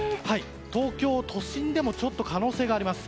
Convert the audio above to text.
東京都心でもちょっと可能性があります。